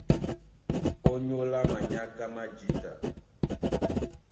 Ónyólá manyáká má jǐta,